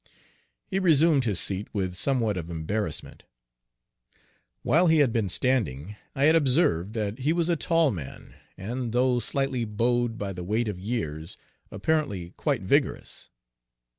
He resumed his seat with somewhat of embarrassment. While he had been standing, I had observed that he was a tall man, and, though slightly bowed by the weight of years, apparently quite vigorous.